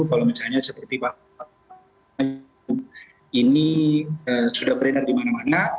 kalau misalnya seperti pak ini sudah beredar di mana mana